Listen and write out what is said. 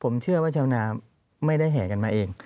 ผมเชื่อว่าชาวนาไม่ได้แห่กันมาเอง